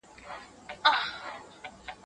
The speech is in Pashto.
دا د شیخانو له دستاره سره نه جوړیږي